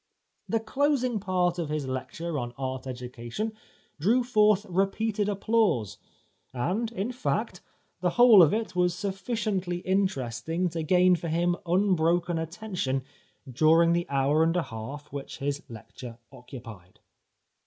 ... The closing part of his lecture on art education drew forth repeated applause, and, in fact, the whole of it was sufiiciently interesting to gain for him unbroken attention during the hour and a half which his lecture occupied."